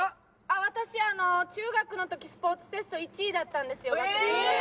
私中学の時スポーツテスト１位だったんですよ学年で。